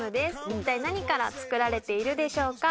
一体何から作られているでしょうか？